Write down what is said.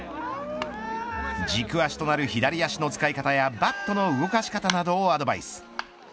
軸足となる左足の使い方やバットの動かし方などをアドバイス。